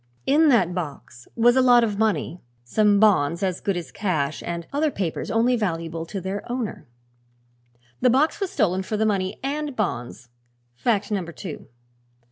In that box was a lot of money, some bonds as good as cash and other papers only valuable to their owner. The box was stolen for the money and bonds; fact number two.